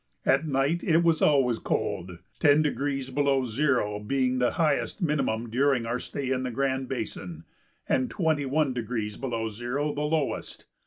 At night it was always cold, 10° below zero being the highest minimum during our stay in the Grand Basin, and 21° below zero the lowest.